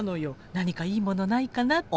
何かいいものないかなって。